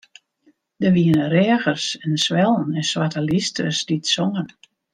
Der wiene reagers en swellen en swarte lysters dy't songen.